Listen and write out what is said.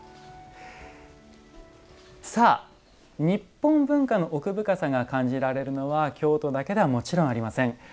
さあ日本文化の奥深さが感じられるのは京都だけではもちろんありません。